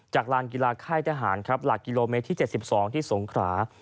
จากลานกีฬาไข้ทหารหลักกิโลเมตรที่๗๒ที่สงครา